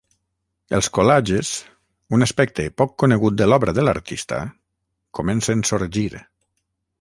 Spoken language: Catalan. Els "collages", un aspecte poc conegut de l'obra de l'artista, comencen sorgir.